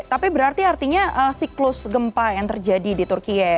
tapi berarti artinya siklus gempa yang terjadi di turkiye